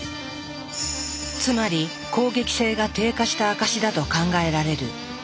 つまり攻撃性が低下した証しだと考えられる。